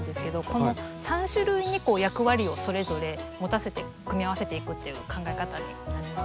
この３種類に役割をそれぞれ持たせて組み合わせていくっていう考え方になります。